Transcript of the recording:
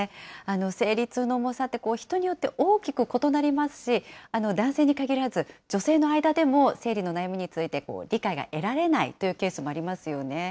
生理痛の重さって人によって大きく異なりますし、男性に限らず、女性の間でも、生理の悩みについて理解が得られないというケースもありますよね。